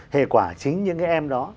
hệ quả chính những cái em đó